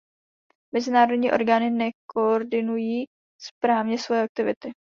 Mezinárodní orgány nekoordinují správně svoje aktivity.